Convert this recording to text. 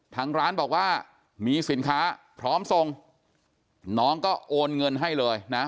ทางร้านบอกว่ามีสินค้าพร้อมส่งน้องก็โอนเงินให้เลยนะ